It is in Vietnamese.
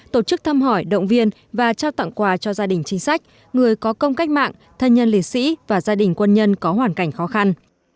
tổ chức thăm hỏi động viên và trao tặng quà cho gia đình chính sách người có công cách mạng thân nhân liệt sĩ và gia đình quân nhân có hoàn cảnh khó khăn